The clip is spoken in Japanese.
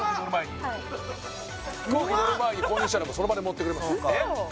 飛行機乗る前に購入したらその場で盛ってくれます